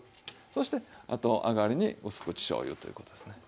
そしてあとあがりにうす口しょうゆということですね。